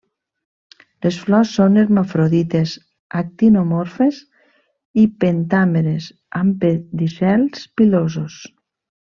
Les flors són hermafrodites, actinomorfes i pentàmeres amb pedicels pilosos.